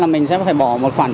các bác sĩ đã góp sức